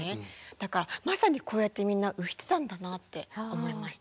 だからまさにこうやってみんな浮いてたんだなって思いました。